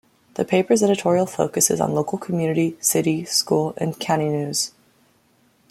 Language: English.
The paper's editorial focus is on local community, city, school and county news.